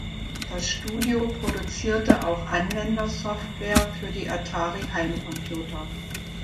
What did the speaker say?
Das Studio produzierte auch Anwendersoftware für die Atari-Heimcomputer.